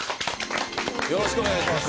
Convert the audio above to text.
よろしくお願いします。